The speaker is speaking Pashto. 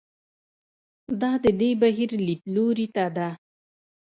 دا د دې بهیر لیدلوري ته ده.